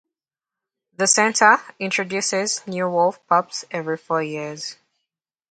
The Center introduces new wolf pups every four years.